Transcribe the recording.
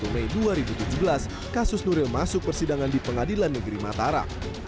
dua puluh mei dua ribu tujuh belas kasus nuril masuk persidangan di pengadilan negeri mataram